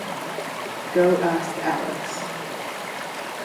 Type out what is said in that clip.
Go Ask Alice!